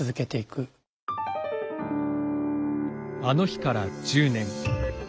あの日から１０年。